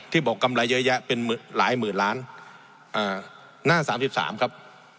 บอกกำไรเยอะแยะเป็นหลายหมื่นล้านหน้า๓๓ครับ